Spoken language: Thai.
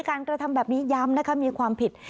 กระทำแบบนี้ย้ำนะคะมีความผิด